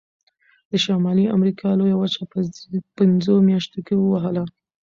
د شمالي امریکا لویه وچه یې په پنځو میاشتو کې ووهله.